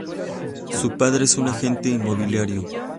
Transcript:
Su padre es un agente inmobiliario.